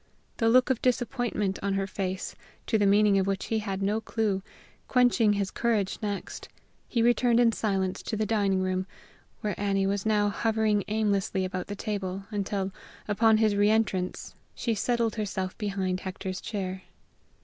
The look of disappointment on her face, to the meaning of which he had no clew, quenching his courage next, he returned in silence to the dining room, where Annie was now hovering aimlessly about the table, until, upon his re entrance, she settled herself behind Hector's chair.